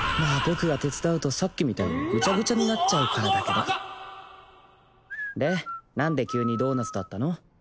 僕が手伝うとさっきみたいにグチャグチャになっちゃうからだけどで何で急にドーナツだったの？